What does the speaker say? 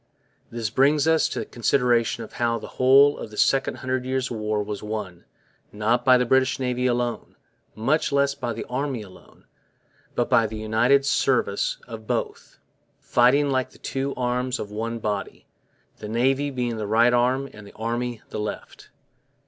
This brings us to the consideration of how the whole of the Second Hundred Years' War was won, not by the British Navy alone, much less by the Army alone, but by the united service of both, fighting like the two arms of one body, the Navy being the right arm and the Army the left.